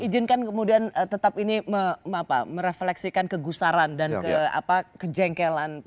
izinkan kemudian tetap ini merefleksikan kegusaran dan kejengkelan